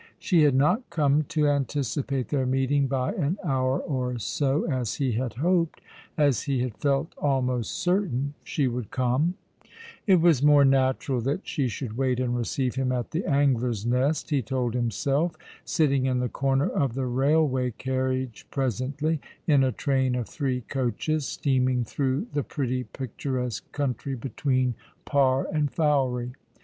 She had not come to anticipate their meeting by an hour or so, as he had hoped, as he had felt almost certain, she would come, i It was more natural that she should wait and receive him afc the Angler's Nest, he told himself, sitting in the corner of the railway carriage presently, in a train of three coaches, steaming through the pretty picturesque country between Par and Fowey.